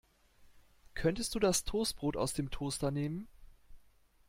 Könntest du das Toastbrot aus dem Toaster nehmen?